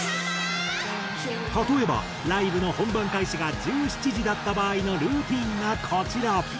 例えばライブの本番開始が１７時だった場合のルーティンがこちら。